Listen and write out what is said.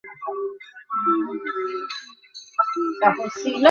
মতির তাতে কোনো আপত্তি নাই।